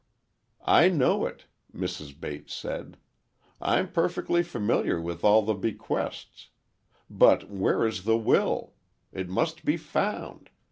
"I know it," Mrs. Bates said. "I'm perfectly familiar with all the bequests. But where is the will? It must be found!